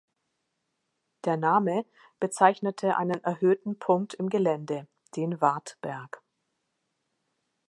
Der Name bezeichnete einen erhöhten Punkt im Gelände, den Wartberg.